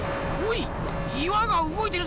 いわがうごいてるぞ！